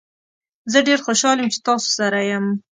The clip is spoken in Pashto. زه ډیر خوشحاله یم چې تاسو سره یم.